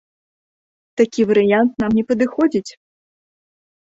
Такі варыянт нам не падыходзіць!